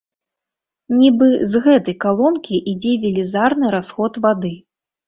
Нібы з гэтай калонкі ідзе велізарны расход вады.